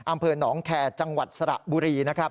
อำเภอหนองแขในจังหวัดสระบุรี